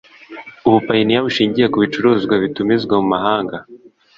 ubuyapani bushingiye ku bicuruzwa bitumizwa mu mahanga